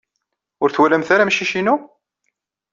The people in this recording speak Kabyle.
Ur twalamt ara amcic-inu?